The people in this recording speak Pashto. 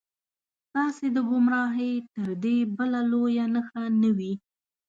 ستاسې د ګمراهۍ تر دې بله لویه نښه نه وي.